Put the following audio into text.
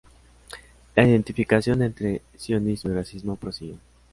La identificación entre sionismo y racismo prosiguió.